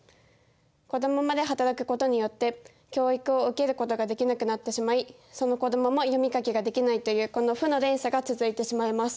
子どもまで働くことによって教育を受けることができなくなってしまいその子どもも読み書きができないというこの負の連鎖が続いてしまいます。